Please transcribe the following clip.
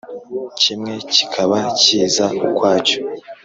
kimwe kikaba kiza ukwacyo;